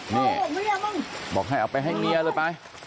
นี่บอกให้เอาไปให้เมียเลยไป